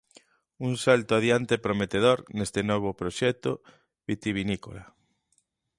Un salto adiante prometedor neste novo proxecto vitivinícola.